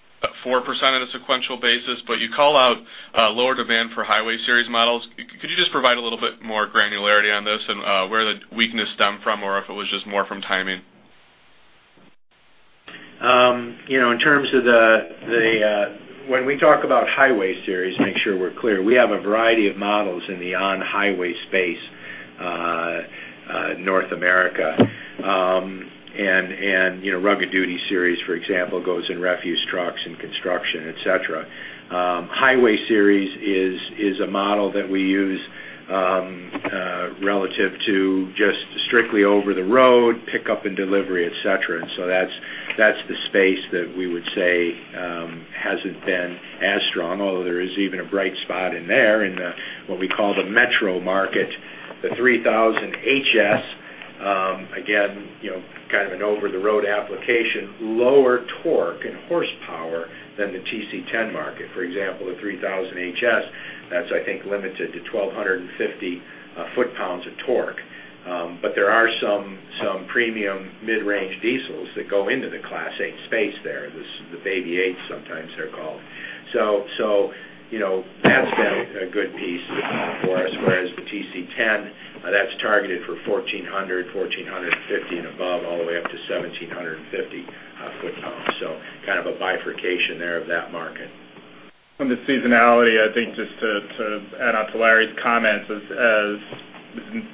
4% on a sequential basis, but you call out lower demand for Highway Series models. Could you just provide a little bit more granularity on this and where the weakness stemmed from, or if it was just more from timing? You know, in terms of when we talk about Highway Series, make sure we're clear, we have a variety of models in the on-highway space, North America. And you know, Rugged Duty Series, for example, goes in refuse trucks and construction, etc. Highway Series is a model that we use, relative to just strictly over the road, pickup and delivery, etc. And so that's the space that we would say hasn't been as strong, although there is even a bright spot in there, in the what we call the metro market, the 3000 HS, again, you know, kind of an over-the-road application, lower torque and horsepower than the TC10 market. For example, the 3000 HS, that's, I think, limited to 1,250 foot-pounds of torque. But there are some premium mid-range diesels that go into the Class 8 space there, this is the Baby 8, sometimes they're called. So, you know, that's been a good piece for us, whereas the TC10, that's targeted for 1400, 1450 and above, all the way up to 1750 foot pounds. So kind of a bifurcation there of that market. On the seasonality, I think just to add on to Larry's comments, as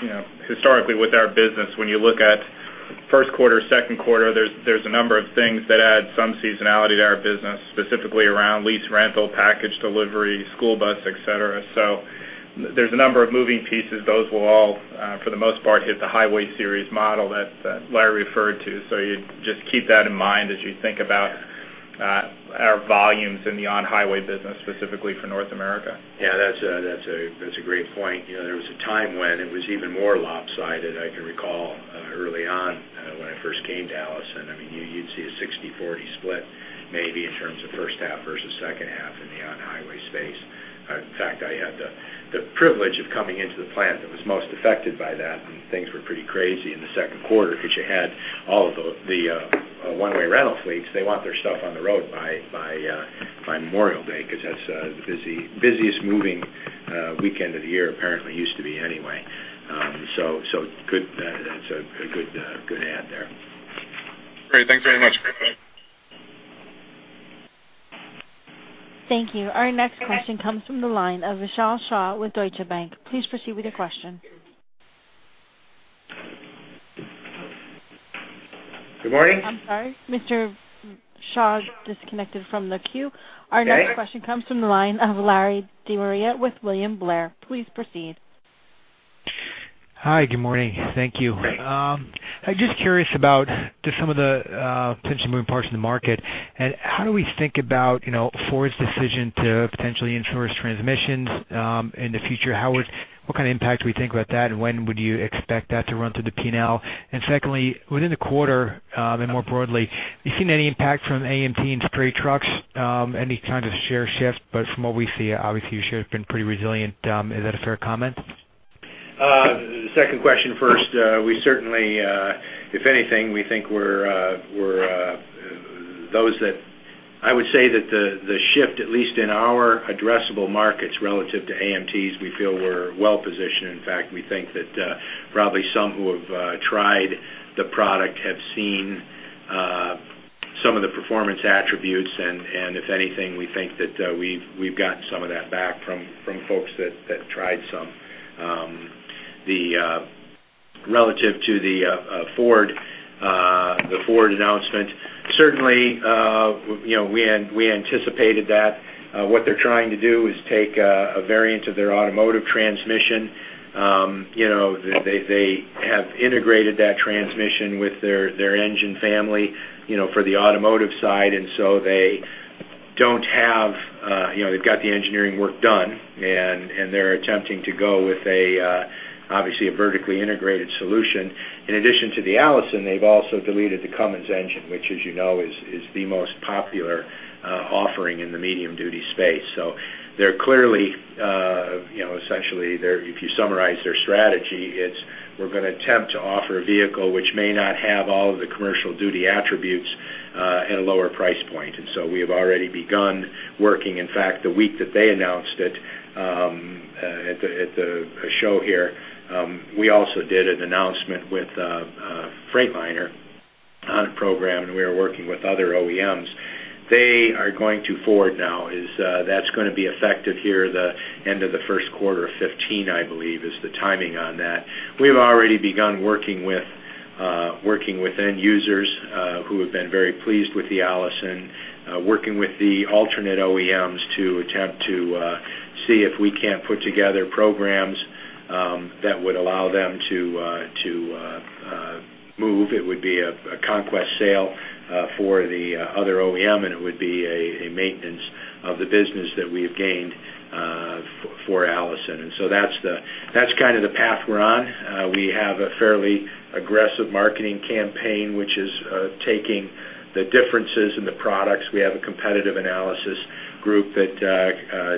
you know, historically, with our business, when you look at first quarter, second quarter, there's a number of things that add some seasonality to our business, specifically around lease, rental, package delivery, school bus, et cetera. So there's a number of moving pieces. Those will all, for the most part, hit the Highway Series model that Larry referred to. So you just keep that in mind as you think about our volumes in the on-highway business, specifically for North America. Yeah, that's a great point. You know, there was a time when it was even more lopsided. I can recall early on, when I first came to Allison, I mean, you'd see a 60/40 split, maybe in terms of first half versus second half in the on-highway space. In fact, I had the privilege of coming into the plant that was most affected by that, and things were pretty crazy in the second quarter because you had all of the one-way rental fleets. They want their stuff on the road by Memorial Day, because that's the busiest moving weekend of the year, apparently, used to be anyway. So, that's a good add there. Great. Thanks very much. Bye-bye. Thank you. Our next question comes from the line of Vishal Shah with Deutsche Bank. Please proceed with your question. Good morning. I'm sorry, Mr. Shah disconnected from the queue. Okay. Our next question comes from the line of Larry De Maria with William Blair. Please proceed. Hi, good morning. Thank you. Hi. I'm just curious about just some of the potential moving parts in the market, and how do we think about, you know, Ford's decision to potentially insource its transmissions in the future? How would... What kind of impact do we think about that, and when would you expect that to run through the P&L? And secondly, within the quarter, and more broadly, have you seen any impact from AMT in straight trucks, any kind of share shift? But from what we see, obviously, you should have been pretty resilient. Is that a fair comment? The second question first. We certainly, if anything, we think we're, we're, those that I would say that the, the shift, at least in our addressable markets, relative to AMTs, we feel we're well positioned. In fact, we think that, probably some who have, tried the product have seen, some of the performance attributes, and, and if anything, we think that, we've, we've gotten some of that back from, from folks that, that tried some. The, relative to the, Ford, the Ford announcement, certainly, you know, we an- we anticipated that. What they're trying to do is take a, a variant of their automotive transmission. You know, they, they have integrated that transmission with their, their engine family, you know, for the automotive side, and so they don't have, you know, they've got the engineering work done, and, and they're attempting to go with a, obviously, a vertically integrated solution. In addition to the Allison, they've also deleted the Cummins engine, which, as you know, is, is the most popular, offering in the medium duty space. So they're clearly, you know, essentially, they're—if you summarize their strategy, it's we're going to attempt to offer a vehicle which may not have all of the commercial duty attributes, at a lower price point. And so we have already begun working. In fact, the week that they announced it, at the show here, we also did an announcement with Freightliner on a program, and we are working with other OEMs. They are going to Ford now, that's gonna be effective here the end of the first quarter of 2015, I believe, is the timing on that. We've already begun working with end users, who have been very pleased with the Allison, working with the alternate OEMs to attempt to see if we can't put together programs, that would allow them to move. It would be a conquest sale, for the other OEM, and it would be a maintenance of the business that we've gained, for Allison. And so that's-- that's kind of the path we're on. We have a fairly aggressive marketing campaign, which is taking the differences in the products. We have a competitive analysis group that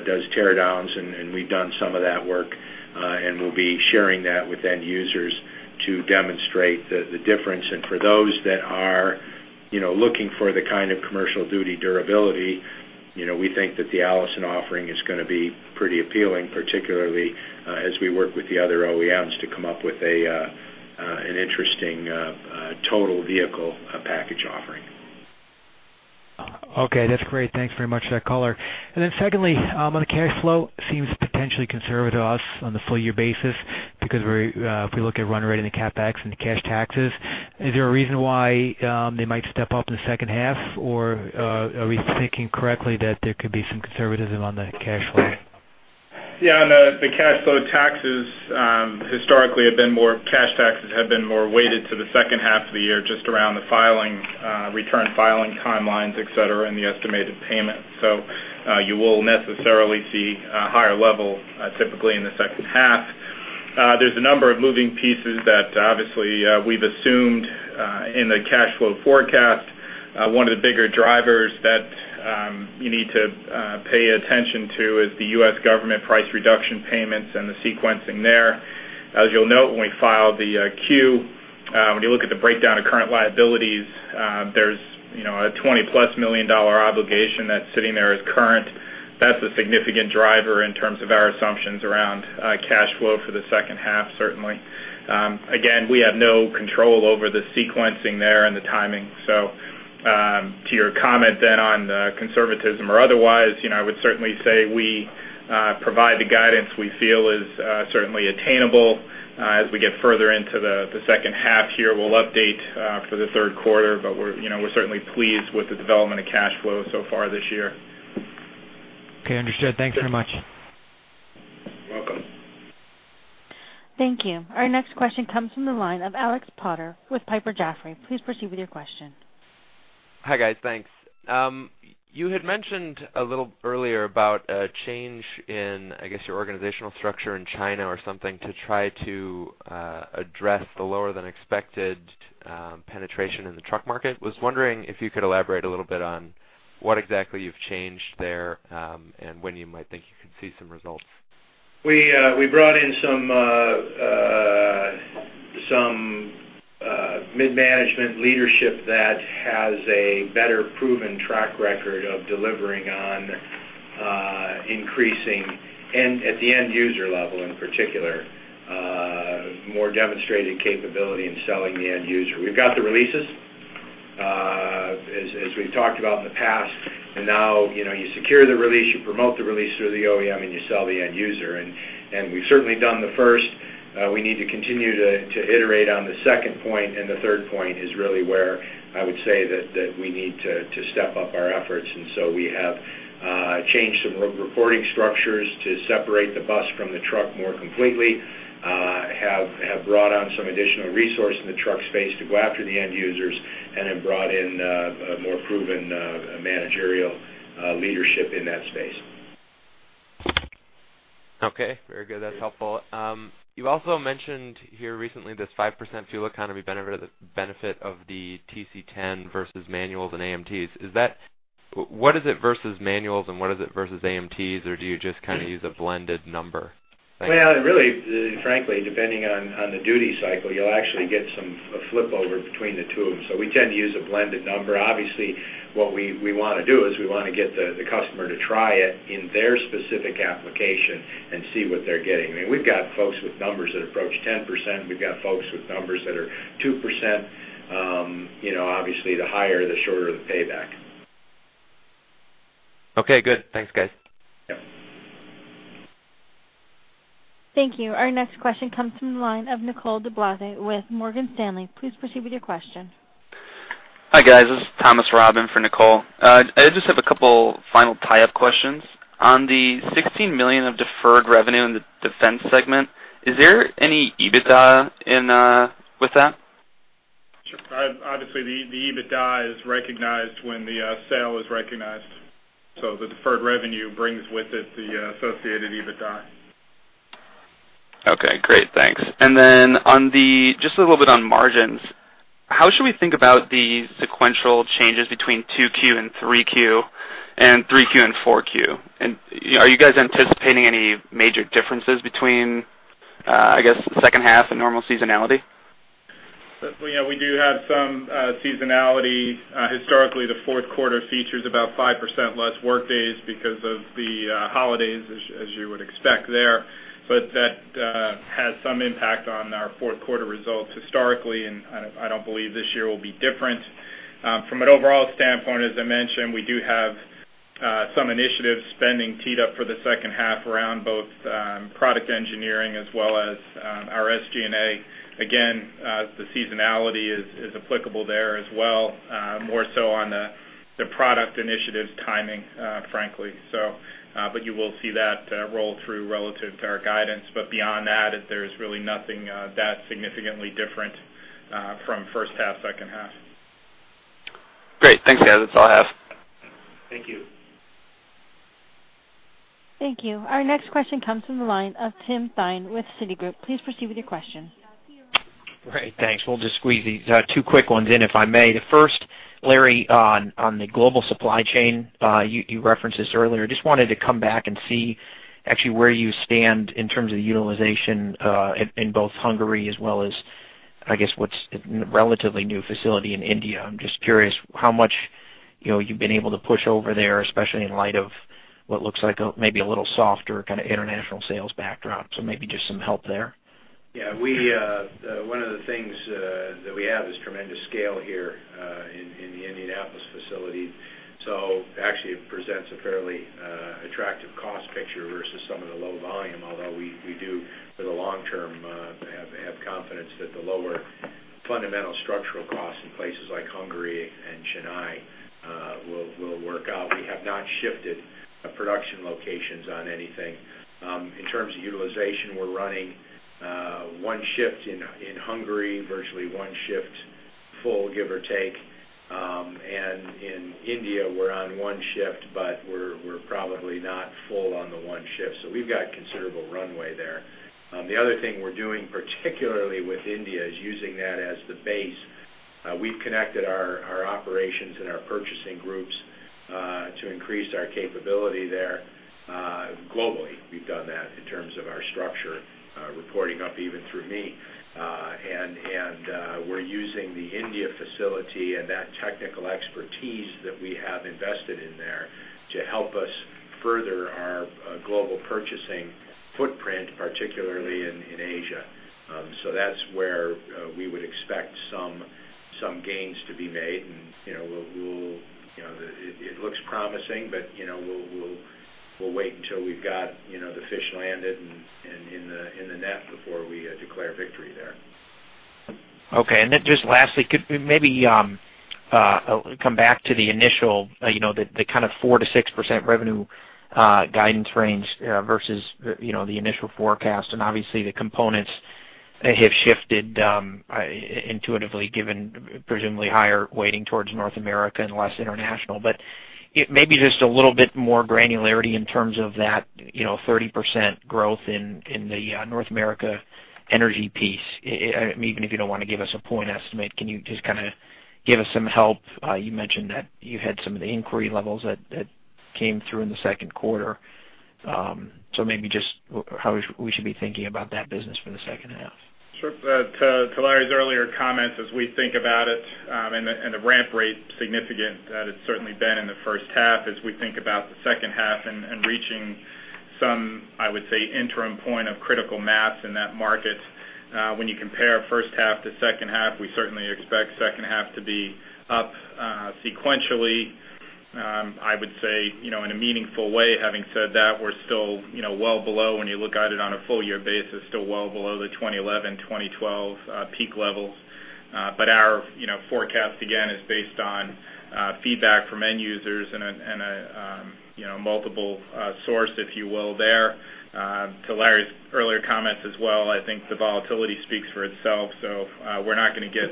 does tear downs, and we've done some of that work, and we'll be sharing that with end users to demonstrate the difference. And for those that are, you know, looking for the kind of commercial duty durability, you know, we think that the Allison offering is gonna be pretty appealing, particularly, as we work with the other OEMs to come up with an interesting total vehicle package offering. Okay, that's great. Thanks very much for that color. And then secondly, on the cash flow, seems potentially conservative to us on the full year basis because we're, if we look at run rate and the CapEx and the cash taxes, is there a reason why they might step up in the second half? Or, are we thinking correctly that there could be some conservatism on the cash flow? Yeah, on the cash flow taxes, historically, have been more—cash taxes have been more weighted to the second half of the year, just around the filing, return filing timelines, et cetera, and the estimated payment. So, you will necessarily see a higher level, typically in the second half. There's a number of moving pieces that obviously, we've assumed, in the cash flow forecast. One of the bigger drivers that, you need to, pay attention to is the U.S. government price reduction payments and the sequencing there. As you'll note, when we filed the, Q, when you look at the breakdown of current liabilities, there's, you know, a $20+ million obligation that's sitting there as current. That's a significant driver in terms of our assumptions around, cash flow for the second half, certainly. Again, we have no control over the sequencing there and the timing. So, to your comment then on the conservatism or otherwise, you know, I would certainly say we provide the guidance we feel is certainly attainable. As we get further into the second half here, we'll update for the third quarter, but we're, you know, we're certainly pleased with the development of cash flow so far this year. Okay, understood. Thanks very much. You're welcome. Thank you. Our next question comes from the line of Alex Potter with Piper Jaffray. Please proceed with your question. Hi, guys, thanks. You had mentioned a little earlier about a change in, I guess, your organizational structure in China or something, to try to address the lower-than-expected penetration in the truck market. Was wondering if you could elaborate a little bit on what exactly you've changed there, and when you might think you could see some results? We brought in some mid-management leadership that has a better proven track record of delivering on increasing and at the end user level, in particular, more demonstrated capability in selling the end user. We've got the releases, as we've talked about in the past, and now you know, you secure the release, you promote the release through the OEM, and you sell the end user. And we've certainly done the first. We need to continue to iterate on the second point, and the third point is really where I would say that we need to step up our efforts. And so we have changed some re-reporting structures to separate the bus from the truck more completely, have brought on some additional resource in the truck space to go after the end users, and have brought in a more proven managerial leadership in that space. Okay, very good. That's helpful. You also mentioned here recently, this 5% fuel economy benefit of the TC10 versus manuals and AMTs. Is that—What is it versus manuals, and what is it versus AMTs, or do you just kind of use a blended number? Well, really, frankly, depending on the duty cycle, you'll actually get a flip over between the two of them, so we tend to use a blended number. Obviously, what we want to do is we want to get the customer to try it in their specific application and see what they're getting. I mean, we've got folks with numbers that approach 10%. We've got folks with numbers that are 2%. You know, obviously, the higher, the shorter the payback. Okay, good. Thanks, guys. Yep. Thank you. Our next question comes from the line of Nicole DeBlase with Morgan Stanley. Please proceed with your question. Hi, guys. This is Thomas Robyn for Nicole. I just have a couple final tie-up questions. On the $16 million of deferred revenue in the defense segment, is there any EBITDA in, with that? Sure. Obviously, the EBITDA is recognized when the sale is recognized, so the deferred revenue brings with it the associated EBITDA. Okay, great, thanks. And then on the just a little bit on margins, how should we think about the sequential changes between 2Q and 3Q and 3Q and 4Q? And are you guys anticipating any major differences between, I guess, the second half and normal seasonality? Well, yeah, we do have some seasonality. Historically, the fourth quarter features about 5% less workdays because of the holidays, as you would expect there. But that has some impact on our fourth quarter results historically, and I don't believe this year will be different. From an overall standpoint, as I mentioned, we do have some initiative spending teed up for the second half around both product engineering as well as our SG&A. Again, the seasonality is applicable there as well, more so on the product initiatives timing, frankly. So, but you will see that roll through relative to our guidance. But beyond that, there's really nothing that significantly different from first half, second half. Great. Thanks, guys. That's all I have. Thank you. Thank you. Our next question comes from the line of Tim Thein with Citigroup. Please proceed with your question. Great, thanks. We'll just squeeze these two quick ones in, if I may. The first, Larry, on the global supply chain, you referenced this earlier. Just wanted to come back and see actually where you stand in terms of the utilization, in both Hungary as well as, I guess, what's a relatively new facility in India. I'm just curious, how much, you know, you've been able to push over there, especially in light of what looks like a, maybe a little softer kind of international sales backdrop. So maybe just some help there. Yeah, we, one of the things that we have is tremendous scale here in the Indianapolis facility. So actually, it presents a fairly attractive cost picture versus some of the low volume, although we do, for the long term, have confidence that the lower fundamental structural costs in places like Hungary and Chennai will work out. We have not shifted the production locations on anything. In terms of utilization, we're running one shift in Hungary, virtually one shift, full, give or take. And in India, we're on one shift, but we're probably not full on the one shift, so we've got considerable runway there. The other thing we're doing, particularly with India, is using that as the base. We've connected our operations and our purchasing groups to increase our capability there globally. We've done that in terms of our structure, reporting up even through me. And we're using the India facility and that technical expertise that we have invested in there to help us further our global purchasing footprint, particularly in Asia. So that's where we would expect some gains to be made, and you know we'll. You know it looks promising, but you know we'll wait until we've got you know the fish landed and in the net before we declare victory there. Okay. Then just lastly, could we maybe come back to the initial, you know, the kind of 4%-6% revenue guidance range versus, you know, the initial forecast, and obviously, the components have shifted intuitively, given presumably higher weighting towards North America and less international. But it may be just a little bit more granularity in terms of that, you know, 30% growth in the North America energy piece. Even if you don't want to give us a point estimate, can you just kind of give us some help? You mentioned that you had some of the inquiry levels that came through in the second quarter. So maybe just how we should be thinking about that business for the second half. Sure. To Larry's earlier comments, as we think about it, and the ramp rate significant, that has certainly been in the first half as we think about the second half and reaching some, I would say, interim point of critical mass in that market. When you compare first half to second half, we certainly expect second half to be up sequentially, I would say, you know, in a meaningful way. Having said that, we're still, you know, well below, when you look at it on a full year basis, still well below the 2011, 2012 peak levels. But our, you know, forecast, again, is based on feedback from end users and a multiple source, if you will, there. To Larry's earlier comments as well, I think the volatility speaks for itself, so we're not gonna get,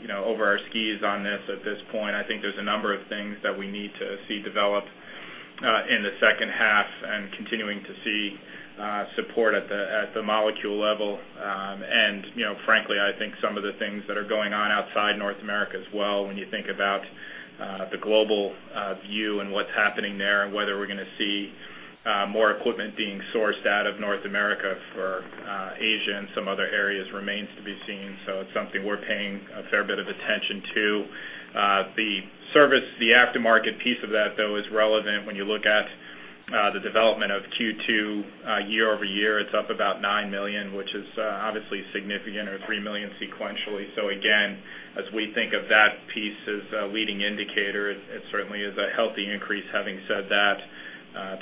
you know, over our skis on this at this point. I think there's a number of things that we need to see develop in the second half and continuing to see support at the, at the molecule level. And, you know, frankly, I think some of the things that are going on outside North America as well, when you think about the global view and what's happening there, and whether we're gonna see more equipment being sourced out of North America for Asia and some other areas, remains to be seen. So it's something we're paying a fair bit of attention to. The service, the aftermarket piece of that, though, is relevant when you look at the development of Q2 year-over-year, it's up about $9 million, which is obviously significant, or $3 million sequentially. So again, as we think of that piece as a leading indicator, it, it certainly is a healthy increase. Having said that,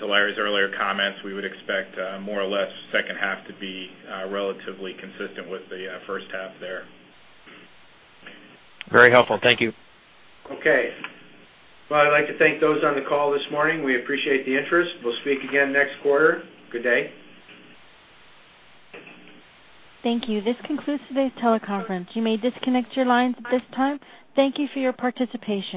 to Larry's earlier comments, we would expect more or less second half to be relatively consistent with the first half there. Very helpful. Thank you. Okay. Well, I'd like to thank those on the call this morning. We appreciate the interest. We'll speak again next quarter. Good day. Thank you. This concludes today's teleconference. You may disconnect your lines at this time. Thank you for your participation.